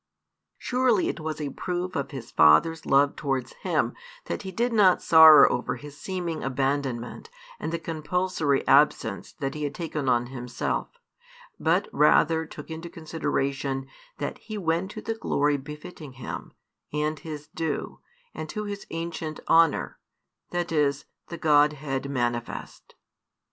Surely it was a proof of His Father's love towards Him that He did not sorrow over His seeming abandonment and the compulsory absence that He had taken on Himself, but rather took into consideration that He went to the glory befitting Him, and His due, and to His ancient honour, that is the Godhead manifest.